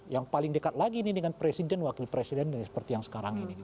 yang paling dekat lagi ini dengan presiden wakil presiden seperti yang sekarang ini